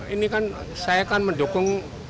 ini kan saya kan mendukung